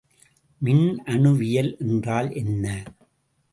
மின்னணுவியல் என்றால் என்ன?